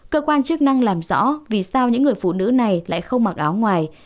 cơ quan chức năng làm rõ vì sao những người phụ nữ này lại không mặc áo ngoài